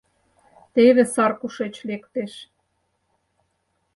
Теве сар кушеч лектеш!